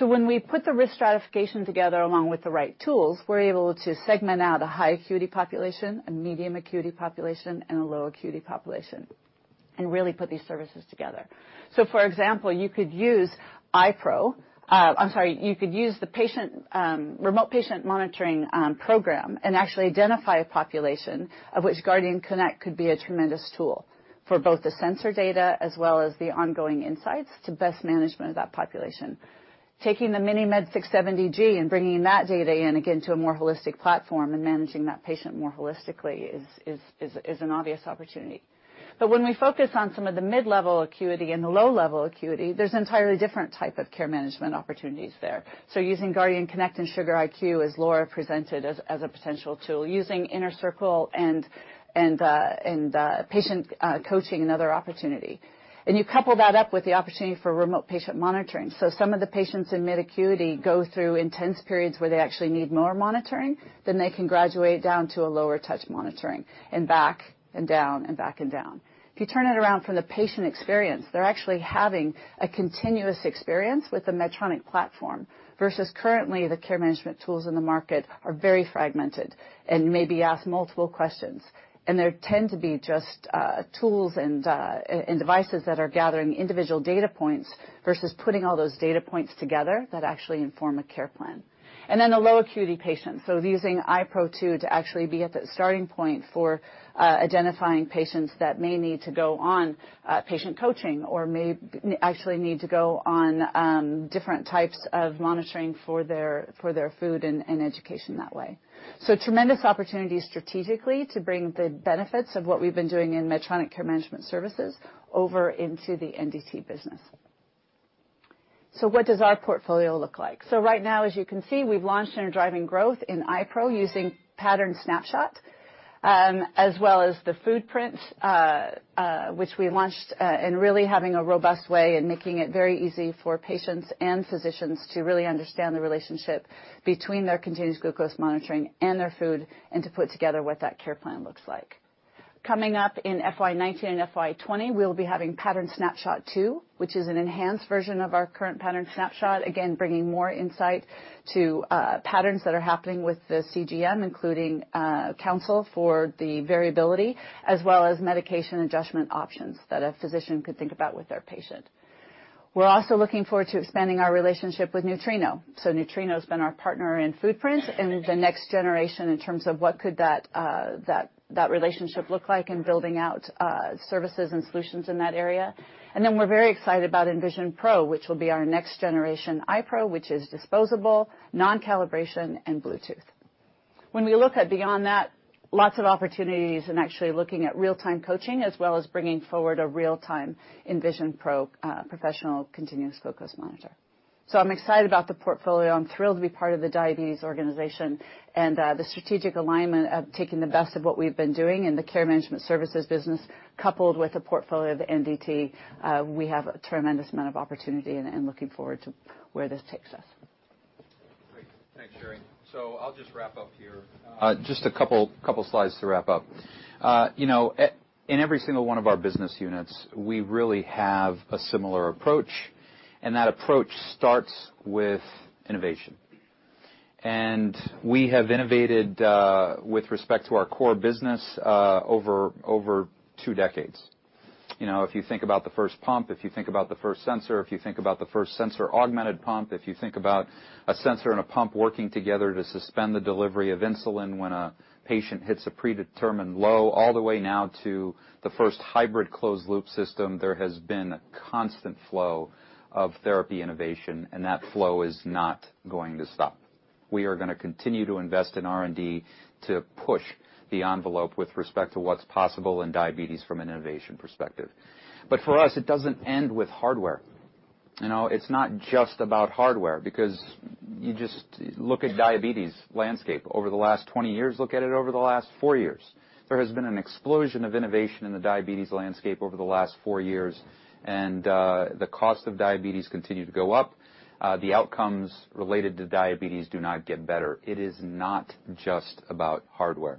When we put the risk stratification together along with the right tools, we're able to segment out a high acuity population, a medium acuity population, and a low acuity population, and really put these services together. For example, you could use the remote patient monitoring program and actually identify a population of which Guardian Connect could be a tremendous tool for both the sensor data as well as the ongoing insights to best management of that population. Taking the MiniMed 670G and bringing that data in, again, to a more holistic platform and managing that patient more holistically is an obvious opportunity. When we focus on some of the mid-level acuity and the low-level acuity, there's entirely different type of care management opportunities there. Using Guardian Connect and Sugar.IQ, as Laura presented, as a potential tool, using Inner Circle and patient coaching, another opportunity. You couple that up with the opportunity for remote patient monitoring. Some of the patients in mid acuity go through intense periods where they actually need more monitoring, then they can graduate down to a lower touch monitoring and back and down, and back and down. If you turn it around from the patient experience, they're actually having a continuous experience with the Medtronic platform versus currently, the care management tools in the market are very fragmented and maybe ask multiple questions. There tend to be just tools and devices that are gathering individual data points versus putting all those data points together that actually inform a care plan. The low acuity patient. Using iPro2 to actually be at the starting point for identifying patients that may need to go on patient coaching or may actually need to go on different types of monitoring for their food and education that way. Tremendous opportunity strategically to bring the benefits of what we've been doing in Medtronic Care Management Services over into the NDT business. What does our portfolio look like? Right now, as you can see, we've launched and are driving growth in iPro using Pattern Snapshot, as well as the FoodPrint, which we launched, and really having a robust way in making it very easy for patients and physicians to really understand the relationship between their continuous glucose monitoring and their food, and to put together what that care plan looks like. Coming up in FY 2019 and FY 2020, we'll be having Pattern Snapshot 2, which is an enhanced version of our current Pattern Snapshot, again, bringing more insight to patterns that are happening with the CGM, including counsel for the variability, as well as medication adjustment options that a physician could think about with their patient. We're also looking forward to expanding our relationship with Nutrino. Nutrino has been our partner in FoodPrint and the next generation in terms of what could that relationship look like in building out services and solutions in that area. Then we're very excited about Envision Pro, which will be our next generation iPro, which is disposable, non-calibration, and Bluetooth. When we look at beyond that, lots of opportunities and actually looking at real-time coaching, as well as bringing forward a real-time Envision Pro professional continuous glucose monitor. I'm excited about the portfolio. I'm thrilled to be part of the diabetes organization and the strategic alignment of taking the best of what we've been doing in the care management services business, coupled with the portfolio of the MDT. We have a tremendous amount of opportunity and looking forward to where this takes us. Great. Thanks, Sheri. I'll just wrap up here. Just a couple slides to wrap up. In every single one of our business units, we really have a similar approach, and that approach starts with innovation. We have innovated with respect to our core business over two decades. If you think about the first pump, if you think about the first sensor, if you think about the first sensor-augmented pump, if you think about a sensor and a pump working together to suspend the delivery of insulin when a patient hits a predetermined low, all the way now to the first hybrid closed loop system, there has been a constant flow of therapy innovation, and that flow is not going to stop. We are going to continue to invest in R&D to push the envelope with respect to what's possible in diabetes from an innovation perspective. For us, it doesn't end with hardware. It's not just about hardware because you just look at diabetes landscape over the last 20 years, look at it over the last four years. There has been an explosion of innovation in the diabetes landscape over the last four years, and the cost of diabetes continue to go up. The outcomes related to diabetes do not get better. It is not just about hardware.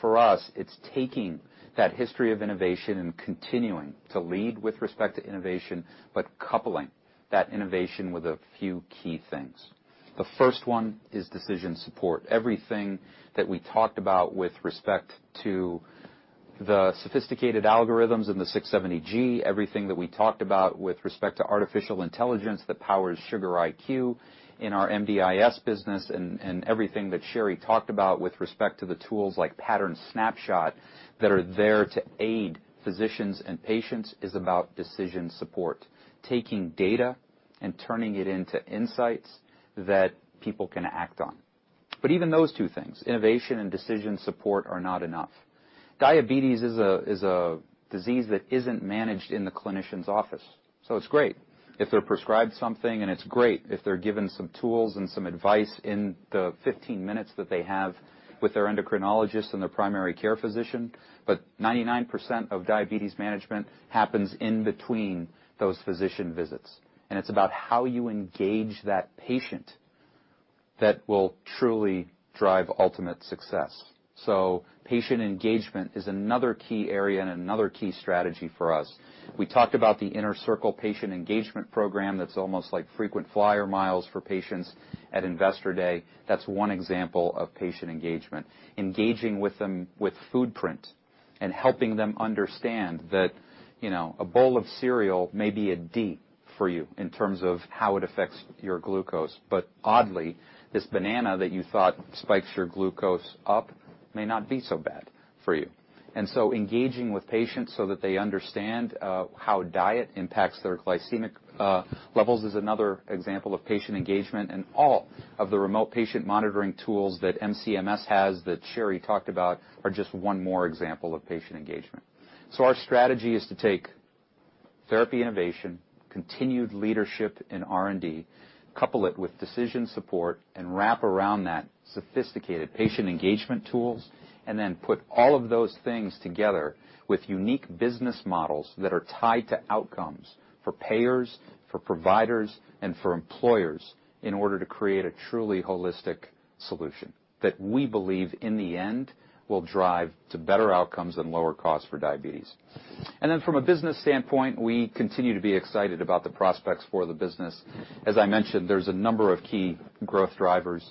For us, it's taking that history of innovation and continuing to lead with respect to innovation, but coupling that innovation with a few key things. The first one is decision support. Everything that we talked about with respect to the sophisticated algorithms in the 670G, everything that we talked about with respect to artificial intelligence that powers Sugar.IQ in our MDIS business, and everything that Sheri talked about with respect to the tools like Pattern Snapshot that are there to aid physicians and patients is about decision support. Taking data and turning it into insights that people can act on. Even those two things, innovation and decision support, are not enough. Diabetes is a disease that isn't managed in the clinician's office. It's great if they're prescribed something, and it's great if they're given some tools and some advice in the 15 minutes that they have with their endocrinologist and their primary care physician. 99% of diabetes management happens in between those physician visits. It's about how you engage that patient that will truly drive ultimate success. Patient engagement is another key area and another key strategy for us. We talked about the Inner Circle patient engagement program that's almost like frequent flyer miles for patients at Investor Day. That's one example of patient engagement. Engaging with them with FoodPrint and helping them understand that a bowl of cereal may be a D for you in terms of how it affects your glucose. Oddly, this banana that you thought spikes your glucose up may not be so bad for you. Engaging with patients so that they understand how diet impacts their glycemic levels is another example of patient engagement. All of the remote patient monitoring tools that MCMS has that Sheri talked about are just one more example of patient engagement. Our strategy is to take therapy innovation, continued leadership in R&D, couple it with decision support, and wrap around that sophisticated patient engagement tools, and put all of those things together with unique business models that are tied to outcomes for payers, for providers, and for employers in order to create a truly holistic solution that we believe in the end will drive to better outcomes and lower costs for diabetes. From a business standpoint, we continue to be excited about the prospects for the business. As I mentioned, there's a number of key growth drivers,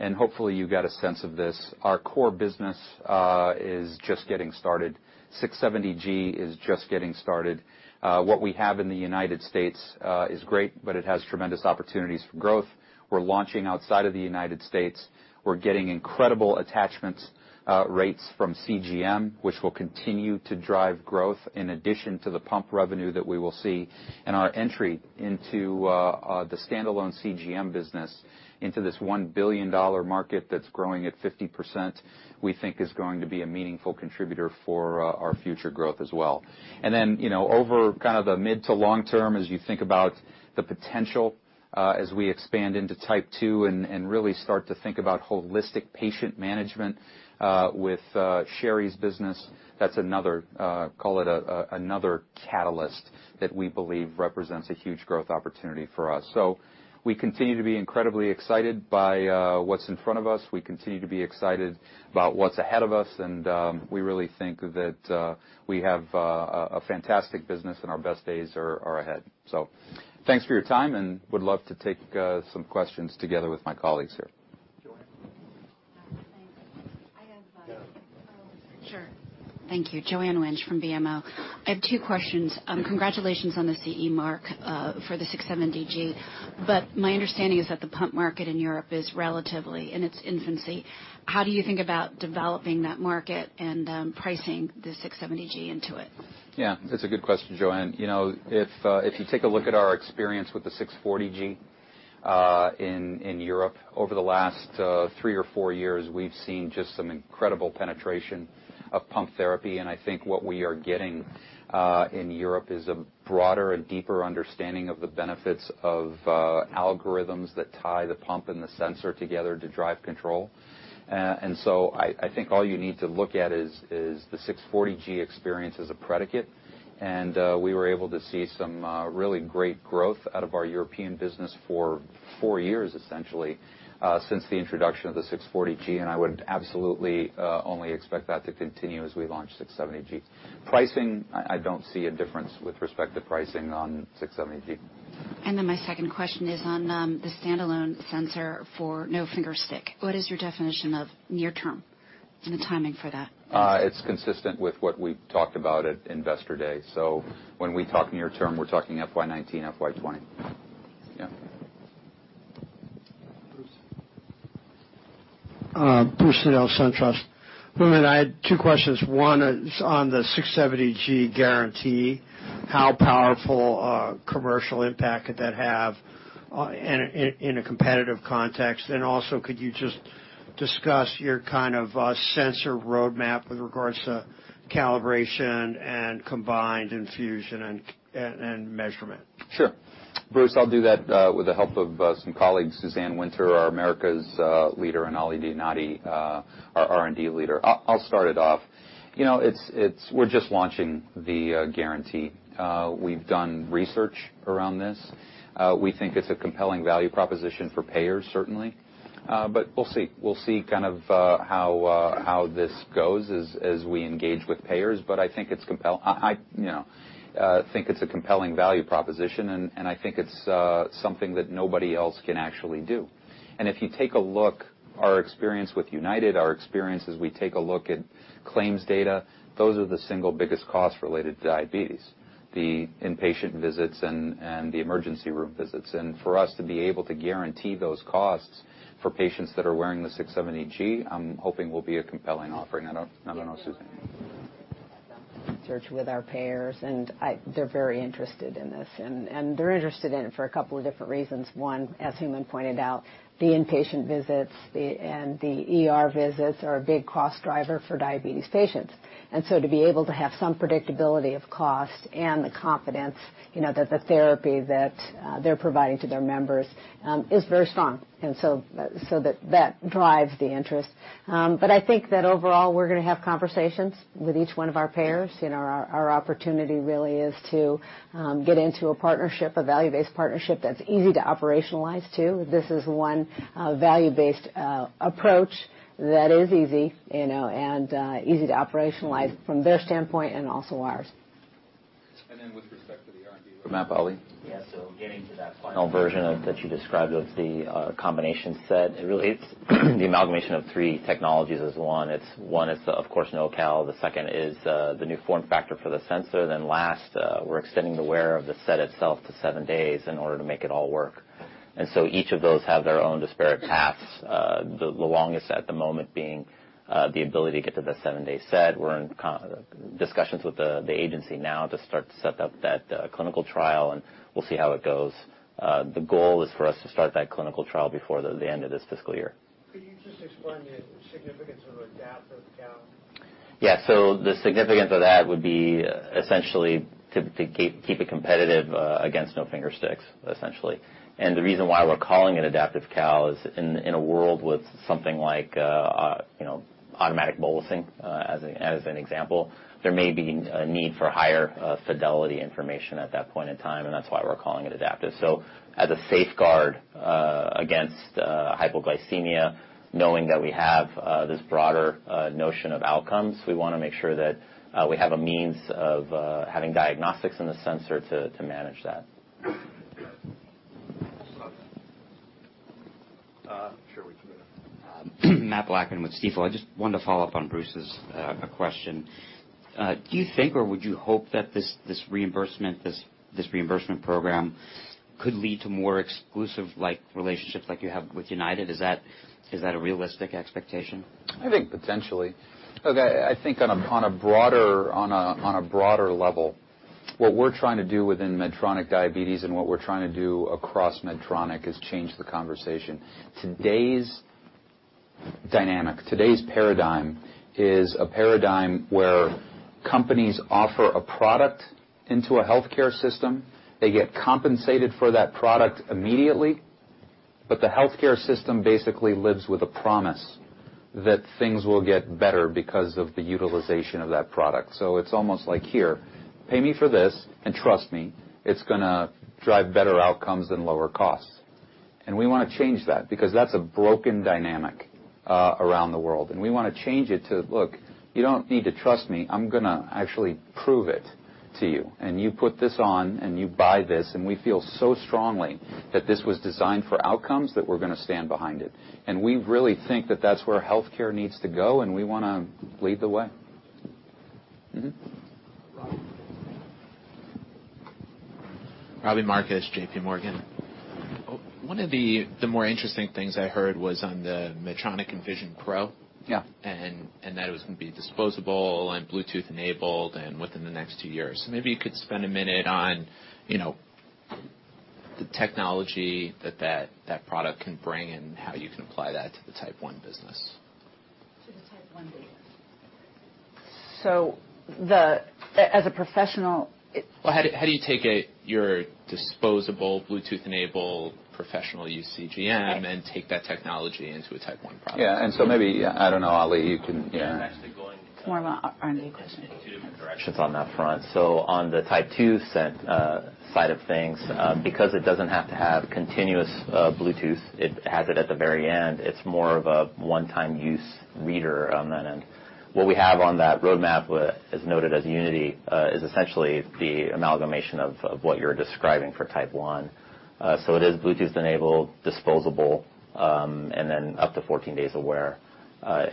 and hopefully, you got a sense of this. Our core business is just getting started. 670G is just getting started. What we have in the U.S. is great, but it has tremendous opportunities for growth. We're launching outside of the U.S. We're getting incredible attachment rates from CGM, which will continue to drive growth in addition to the pump revenue that we will see. Our entry into the standalone CGM business into this $1 billion market that's growing at 50%, we think is going to be a meaningful contributor for our future growth as well. Over kind of the mid to long term, as you think about the potential As we expand into type 2 and really start to think about holistic patient management with Sheri's business, that's another catalyst that we believe represents a huge growth opportunity for us. We continue to be incredibly excited by what's in front of us. We continue to be excited about what's ahead of us, and we really think that we have a fantastic business and our best days are ahead. Thanks for your time, and would love to take some questions together with my colleagues here. Joanne. Thanks. Yeah. Sure. Thank you, Joanne Wuensch from BMO. My understanding is that the pump market in Europe is relatively in its infancy. How do you think about developing that market and pricing the 670G into it? Yeah, that's a good question, Joanne. If you take a look at our experience with the 640G, in Europe over the last three or four years, we've seen just some incredible penetration of pump therapy. I think what we are getting, in Europe is a broader and deeper understanding of the benefits of algorithms that tie the pump and the sensor together to drive control. I think all you need to look at is the 640G experience as a predicate. We were able to see some really great growth out of our European business for four years, essentially, since the introduction of the 640G. I would absolutely only expect that to continue as we launch 670G. Pricing, I don't see a difference with respect to pricing on 670G. My second question is on the standalone sensor for no finger stick. What is your definition of near term and the timing for that? It's consistent with what we've talked about at Investor Day. When we talk near term, we're talking FY 2019, FY 2020. Yeah. Bruce. Bruce Ziental, SunTrust. Hooman, I had two questions. One is on the 670G guarantee. How powerful a commercial impact could that have in a competitive context? Also, could you just discuss your kind of sensor roadmap with regards to calibration and combined infusion and measurement? Sure. Bruce, I'll do that with the help of some colleagues, Suzanne Winter, our Americas leader, and Ali Dianaty, our R&D leader. I'll start it off. We're just launching the guarantee. We've done research around this. We think it's a compelling value proposition for payers, certainly. We'll see how this goes as we engage with payers. I think it's a compelling value proposition, and I think it's something that nobody else can actually do. If you take a look, our experience with UnitedHealthcare, our experience as we take a look at claims data, those are the single biggest costs related to diabetes, the inpatient visits and the emergency room visits. For us to be able to guarantee those costs for patients that are wearing the 670G, I'm hoping will be a compelling offering. I don't know. Suzanne? Research with our payers, they're very interested in this. They're interested in it for a couple of different reasons. One, as Hooman pointed out, the inpatient visits and the ER visits are a big cost driver for diabetes patients. To be able to have some predictability of cost and the confidence that the therapy that they're providing to their members is very strong. That drives the interest. I think that overall, we're going to have conversations with each one of our payers. Our opportunity really is to get into a partnership, a value-based partnership that's easy to operationalize, too. This is one value-based approach that is easy and easy to operationalize from their standpoint and also ours. With respect to the R&D roadmap, Ali? Getting to that final version that you described with the combination set, it really is the amalgamation of three technologies as one. One is, of course, no-calibration. The second is the new form factor for the sensor. Last, we're extending the wear of the set itself to seven days in order to make it all work. Each of those have their own disparate paths, the longest at the moment being the ability to get to the seven-day set. We're in discussions with the agency now to start to set up that clinical trial, and we'll see how it goes. The goal is for us to start that clinical trial before the end of this fiscal year. Could you just explain the significance of adaptive calibration? The significance of that would be essentially to keep it competitive against no finger sticks, essentially. The reason why we're calling it adaptive calibration is in a world with something like automatic bolusing, as an example, there may be a need for higher fidelity information at that point in time, and that's why we're calling it adaptive. As a safeguard against hypoglycemia, knowing that we have this broader notion of outcomes, we want to make sure that we have a means of having diagnostics in the sensor to manage that. Sure. Mathew Blackman with Stifel. I just wanted to follow up on Bruce's question. Do you think, or would you hope that this reimbursement program could lead to more exclusive relationships like you have with UnitedHealthcare? Is that a realistic expectation? I think potentially. Look, I think on a broader level, what we're trying to do within Medtronic Diabetes and what we're trying to do across Medtronic is change the conversation. Today's Dynamic. Today's paradigm is a paradigm where companies offer a product into a healthcare system. They get compensated for that product immediately. The healthcare system basically lives with a promise that things will get better because of the utilization of that product. It's almost like, "Here, pay me for this and trust me, it's going to drive better outcomes and lower costs." We want to change that because that's a broken dynamic around the world. We want to change it to, "Look, you don't need to trust me. I'm going to actually prove it to you. You put this on and you buy this, and we feel so strongly that this was designed for outcomes that we're going to stand behind it." We really think that that's where healthcare needs to go, and we want to lead the way. Robbie Marcus, JPMorgan. One of the more interesting things I heard was on the Medtronic Envision Pro. Yeah. That it was going to be disposable and Bluetooth-enabled and within the next 2 years. Maybe you could spend a minute on the technology that that product can bring and how you can apply that to the type 1 business. To the type 1 business. as a professional- How do you take your disposable Bluetooth-enabled professional use CGM and take that technology into a type 1 product? Yeah. Maybe, I don't know, Ali. Yeah. More of an R&D question. It is on that front. On the type 2 side of things, because it does not have to have continuous Bluetooth, it has it at the very end, it is more of a one-time use reader on that end. What we have on that roadmap, is noted as Unity, is essentially the amalgamation of what you are describing for type 1. It is Bluetooth-enabled, disposable, and then up to 14 days of wear. That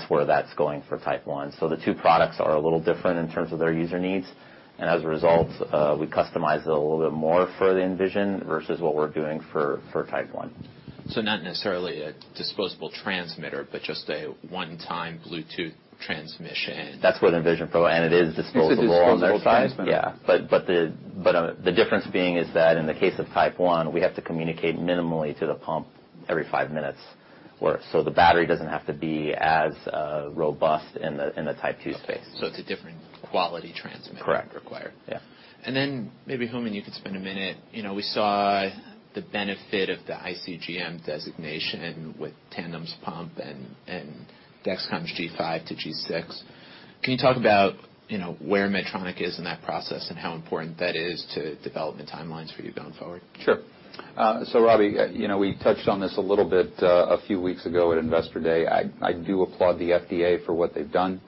is where that is going for type 1. The two products are a little different in terms of their user needs. As a result, we customize it a little bit more for the Envision versus what we are doing for type 1. Not necessarily a disposable transmitter, but just a one-time Bluetooth transmission. That's with Envision Pro, it is disposable on that side. It's a disposable transmitter. Yeah. The difference being is that in the case of type 1, we have to communicate minimally to the pump every five minutes or so. The battery doesn't have to be as robust in the type 2 space. Okay. It's a different quality transmitter- Correct required. Yeah. Then maybe, Hooman, you could spend a minute. We saw the benefit of the iCGM designation with Tandem's pump and Dexcom's G5 to G6. Can you talk about where Medtronic is in that process and how important that is to development timelines for you going forward? Sure. Robbie, we touched on this a little bit a few weeks ago at Investor Day. I do applaud the FDA for what they've done.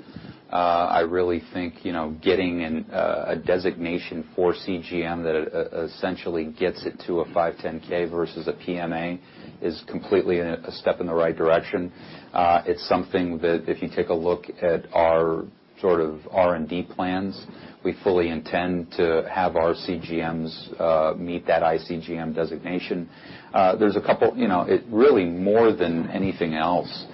I really think getting a designation for CGM that essentially gets it to a 510(k) versus a PMA is completely a step in the right direction. It's something that if you take a look at our R&D plans, we fully intend to have our CGMs meet that iCGM designation. Really more than anything else,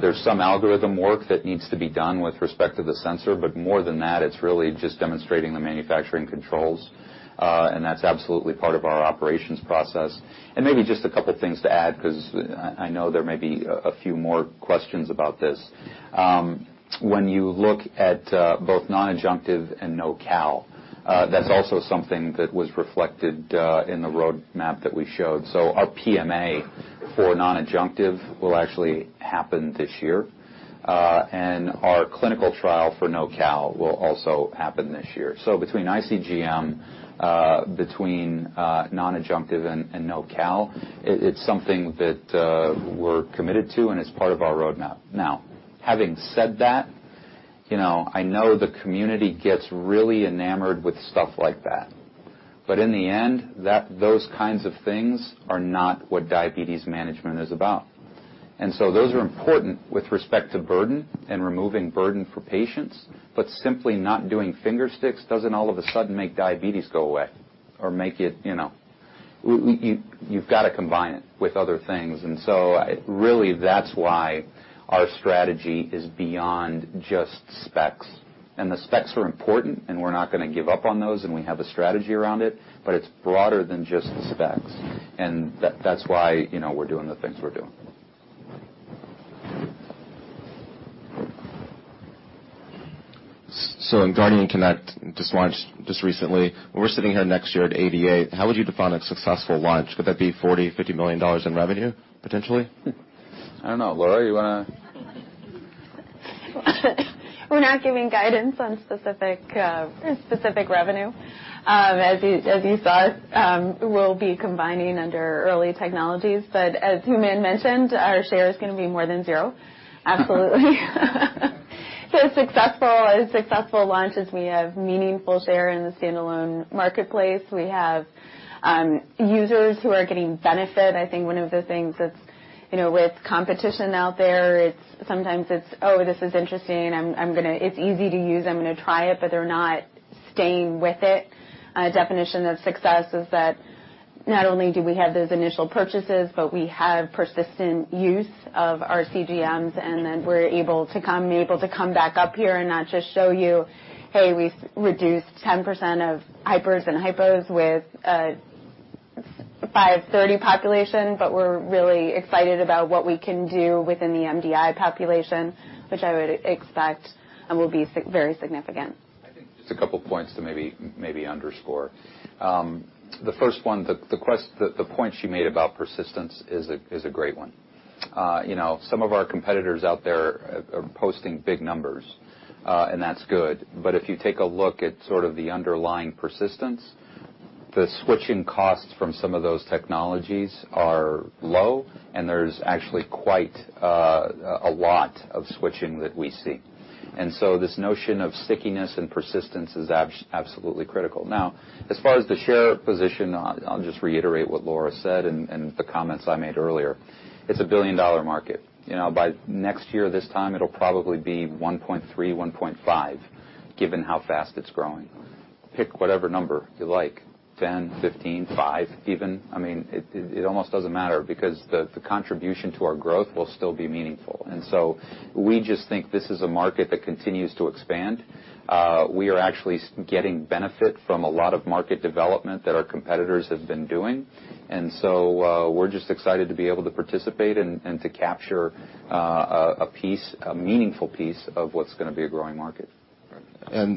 there's some algorithm work that needs to be done with respect to the sensor. But more than that, it's really just demonstrating the manufacturing controls. That's absolutely part of our operations process. Maybe just a couple things to add, because I know there may be a few more questions about this. When you look at both non-adjunctive and No Cal, that's also something that was reflected in the roadmap that we showed. Our PMA for non-adjunctive will actually happen this year. Our clinical trial for No Cal will also happen this year. Between iCGM, between non-adjunctive and No Cal, it's something that we're committed to and is part of our roadmap. Now, having said that, I know the community gets really enamored with stuff like that. In the end, those kinds of things are not what diabetes management is about. Those are important with respect to burden and removing burden for patients. Simply not doing finger sticks doesn't all of a sudden make diabetes go away or make it. You've got to combine it with other things. Really that's why our strategy is beyond just specs. The specs are important, and we're not going to give up on those, and we have a strategy around it, but it's broader than just the specs. That's why we're doing the things we're doing. Guardian Connect just launched just recently. When we're sitting here next year at ADA, how would you define a successful launch? Could that be $40 million, $50 million in revenue, potentially? I don't know. Laura, you want to We're not giving guidance on specific revenue. As you saw, we'll be combining under Emerging Technologies. As Hooman mentioned, our share is going to be more than zero. Absolutely. A successful launch is we have meaningful share in the standalone marketplace. We have users who are getting benefit. I think one of the things that's with competition out there, sometimes it's "Oh, this is interesting. It's easy to use. I'm going to try it," but they're not staying with it. A definition of success is that not only do we have those initial purchases, but we have persistent use of our CGMs, and then we're able to come back up here and not just show you, "Hey, we reduced 10% of hypers and hypos with. A 530 population, we're really excited about what we can do within the MDI population, which I would expect and will be very significant. I think just a couple points to maybe underscore. The first one, the point she made about persistence is a great one. Some of our competitors out there are posting big numbers, that's good. If you take a look at sort of the underlying persistence, the switching costs from some of those technologies are low, and there's actually quite a lot of switching that we see. This notion of stickiness and persistence is absolutely critical. Now, as far as the share position, I'll just reiterate what Laura said and the comments I made earlier. It's a billion-dollar market. By next year, this time, it'll probably be $1.3 billion, $1.5 billion, given how fast it's growing. Pick whatever number you like, 10, 15, five even. It almost doesn't matter because the contribution to our growth will still be meaningful. We just think this is a market that continues to expand. We are actually getting benefit from a lot of market development that our competitors have been doing. We're just excited to be able to participate and to capture a meaningful piece of what's going to be a growing market.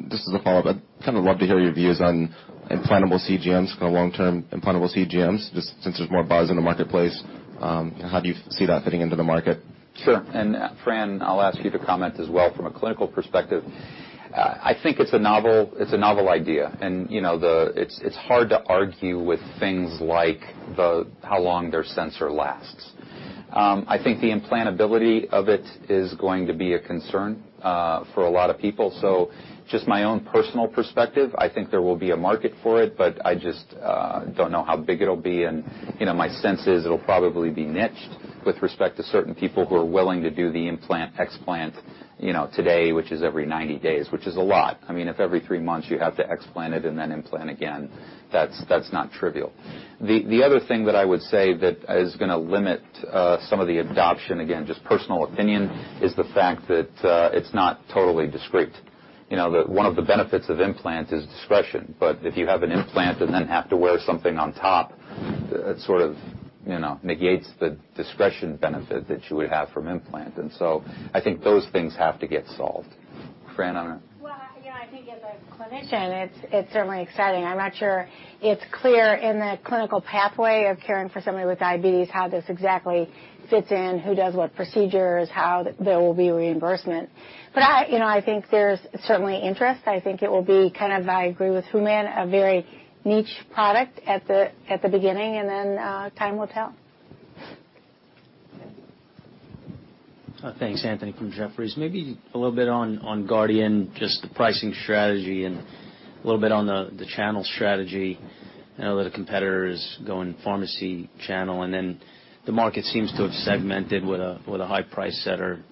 This is a follow-up. I'd kind of love to hear your views on implantable CGMs, kind of long-term implantable CGMs, just since there's more buzz in the marketplace. How do you see that fitting into the market? Sure. Fran, I'll ask you to comment as well from a clinical perspective. I think it's a novel idea, and it's hard to argue with things like how long their sensor lasts. I think the implantability of it is going to be a concern for a lot of people. Just my own personal perspective, I think there will be a market for it, but I just don't know how big it'll be. My sense is it'll probably be niched with respect to certain people who are willing to do the implant/explant today, which is every 90 days, which is a lot. If every three months you have to explant it and then implant again, that's not trivial. The other thing that I would say that is going to limit some of the adoption, again, just personal opinion, is the fact that it's not totally discrete. One of the benefits of implant is discretion, but if you have an implant and then have to wear something on top, it sort of negates the discretion benefit that you would have from implant. I think those things have to get solved. Fran Well, I think as a clinician, it's certainly exciting. I'm not sure it's clear in the clinical pathway of caring for somebody with diabetes how this exactly fits in, who does what procedures, how there will be reimbursement. I think there's certainly interest. I think it will be kind of, I agree with Hooman, a very niche product at the beginning, and then time will tell. Thanks, Anthony from Jefferies. Maybe a little bit on Guardian, just the pricing strategy and a little bit on the channel strategy. I know that a competitor is going pharmacy channel, then the market seems to have segmented with a high price setter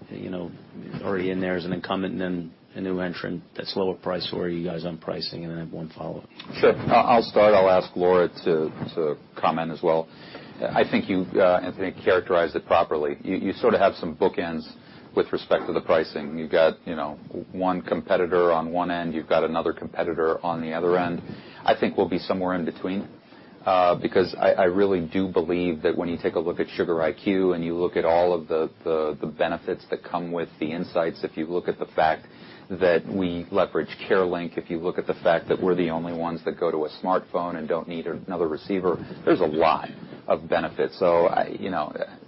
already in there as an incumbent and then a new entrant that's lower price. Where are you guys on pricing? I have one follow-up. Sure. I'll start. I'll ask Laura to comment as well. I think you, Anthony, characterized it properly. You sort of have some bookends with respect to the pricing. You've got one competitor on one end. You've got another competitor on the other end. I think we'll be somewhere in between because I really do believe that when you take a look at Sugar.IQ and you look at all of the benefits that come with the insights, if you look at the fact that we leverage CareLink, if you look at the fact that we're the only ones that go to a smartphone and don't need another receiver, there's a lot of benefits.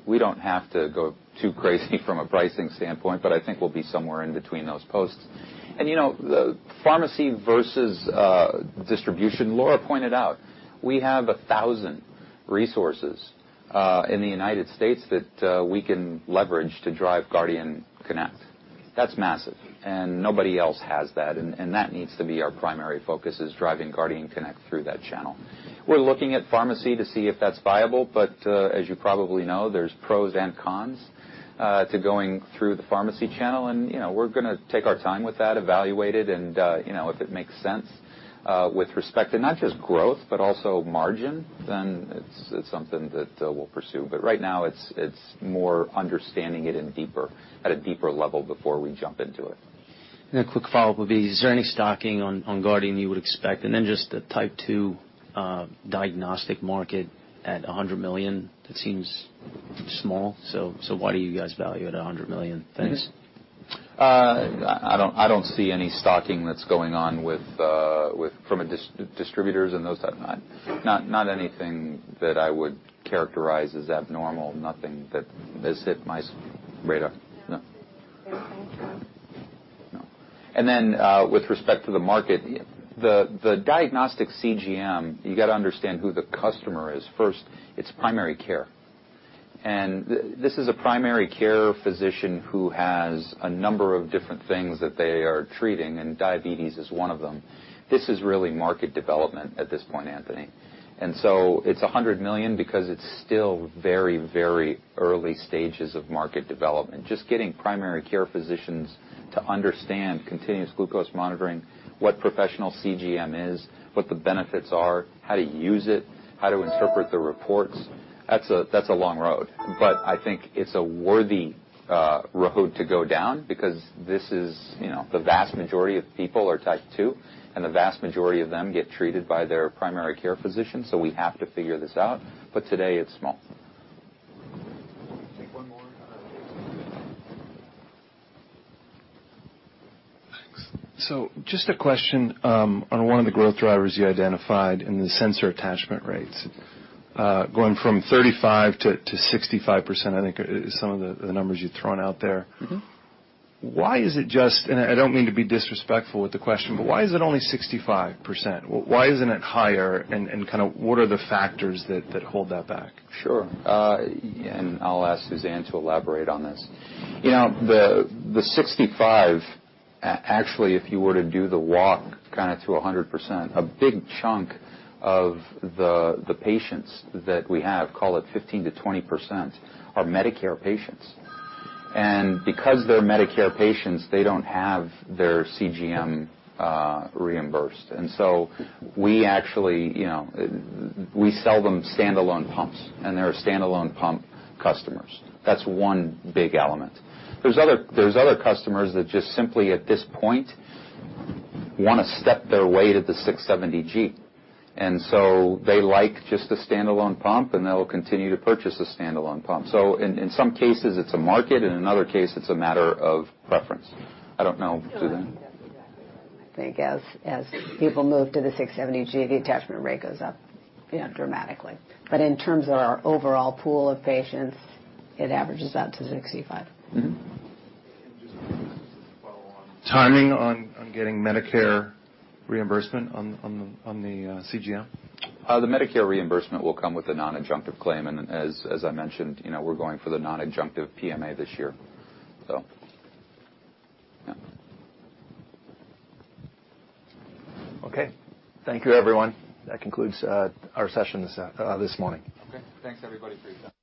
We don't have to go too crazy from a pricing standpoint, but I think we'll be somewhere in between those posts. The pharmacy versus distribution, Laura pointed out, we have 1,000 resources in the U.S. that we can leverage to drive Guardian Connect. That's massive, and nobody else has that, and that needs to be our primary focus is driving Guardian Connect through that channel. We're looking at pharmacy to see if that's viable, but as you probably know, there's pros and cons to going through the pharmacy channel, and we're going to take our time with that, evaluate it, and if it makes sense with respect to not just growth but also margin, then it's something that we'll pursue. But right now it's more understanding it at a deeper level before we jump into it. A quick follow-up would be, is there any stocking on Guardian you would expect? Then just the Type 2 diagnostic market at $100 million, that seems small. Why do you guys value it at $100 million? Thanks. I don't see any stocking that's going on from distributors and those type. Not anything that I would characterize as abnormal. Nothing that has hit my radar. No. No. Same for us. No. Then with respect to the market, the diagnostic CGM, you got to understand who the customer is first. It's primary care. This is a primary care physician who has a number of different things that they are treating, and diabetes is one of them. This is really market development at this point, Anthony. It's $100 million because it's still very, very early stages of market development. Just getting primary care physicians to understand continuous glucose monitoring, what professional CGM is, what the benefits are, how to use it, how to interpret the reports. That's a long road. I think it's a worthy road to go down because the vast majority of people are Type 2, and the vast majority of them get treated by their primary care physician. We have to figure this out. Today it's small. Thanks. Just a question on one of the growth drivers you identified in the sensor attachment rates, going from 35%-65%, I think is some of the numbers you'd thrown out there. Why is it just, I don't mean to be disrespectful with the question, why is it only 65%? Why isn't it higher, and what are the factors that hold that back? Sure. I'll ask Suzanne to elaborate on this. The 65%, actually, if you were to do the walk to 100%, a big chunk of the patients that we have, call it 15%-20%, are Medicare patients. Because they're Medicare patients, they don't have their CGM reimbursed. We sell them standalone pumps, they're standalone pump customers. That's one big element. There's other customers that just simply, at this point, want to step their way to the 670G. They like just the standalone pump, they'll continue to purchase the standalone pump. In some cases, it's a market, in other case, it's a matter of preference. I don't know, Suzanne? I think as people move to the 670G, the attachment rate goes up dramatically. In terms of our overall pool of patients, it averages out to 65. Just a quick follow-on. Timing on getting Medicare reimbursement on the CGM? The Medicare reimbursement will come with a non-adjunctive claim. As I mentioned, we're going for the non-adjunctive PMA this year. Okay. Thank you, everyone. That concludes our session this morning. Okay. Thanks, everybody, for your time.